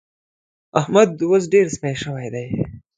احمد اوس ډېر سپي شوی دی.